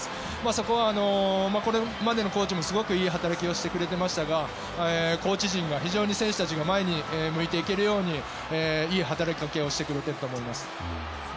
そこは、これまでのコーチもすごくいい働きをしていましたがコーチ陣も、選手たちが前を向いていけるようにいい働きかけをしてくれていると思います。